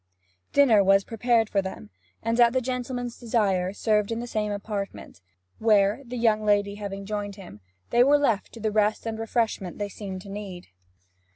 Dinner was prepared for them, and, at the gentleman's desire, served in the same apartment; where, the young lady having joined him, they were left to the rest and refreshment they seemed to need.